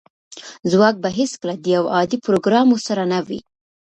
ځواک به هیڅکله د یو عادي پروګرامر سره نه وي